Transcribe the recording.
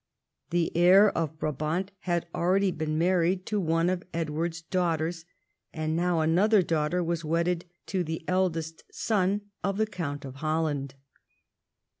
The heir of Brabant had already been married to one of Edward's daughters, and now another daughter was wedded to the eldest son of the Count of Holland.